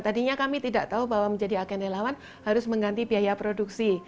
tadinya kami tidak tahu bahwa menjadi agen relawan harus mengganti biaya produksi